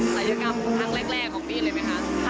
ศัลยกรรมอันแรกของพี่อะไรไหมคะ